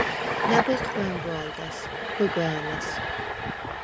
ნა̈ბოზდ ხვე̄მბვა̄ლდა̈ს, ხვიგვა̄̈ნა̈ს.